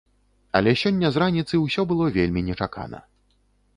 Але сёння з раніцы ўсё было вельмі нечакана.